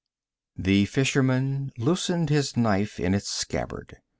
] 1 The fisherman loosened his knife in its scabbard.